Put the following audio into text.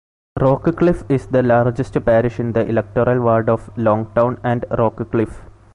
Rockcliffe is the largest parish in the electoral ward of Longtown and Rockcliffe.